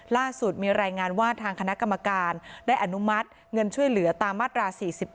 ล่าสุดมีรายงานว่าทางคณะกรรมการได้อนุมัติเงินช่วยเหลือตามมาตรา๔๑